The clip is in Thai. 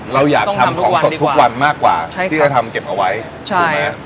เราอยากทำของสดทุกวันมากกว่าที่เราทำเก็บเอาไว้ถูกไหม